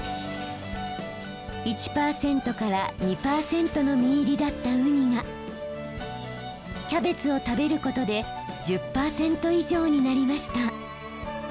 １％から２％の身入りだったウニがキャベツを食べることで１０％以上になりました。